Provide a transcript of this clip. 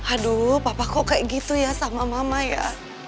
aduh papa kok kayak gitu ya sama mama ya